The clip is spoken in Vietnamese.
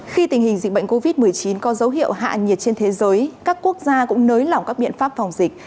khi tình hình dịch bệnh covid một mươi chín có dấu hiệu hạ nhiệt trên thế giới các quốc gia cũng nới lỏng các biện pháp phòng dịch